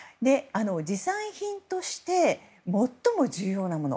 持参品として、最も重要なもの。